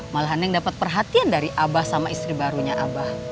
malahan yang dapat perhatian dari abah sama istri barunya abah